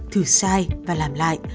thử sai và làm lại